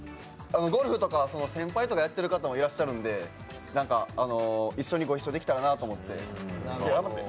ゴルフとか、先輩とかでもやっていらっしゃる方いらっしゃるんで、一緒にご一緒できたらなと思って。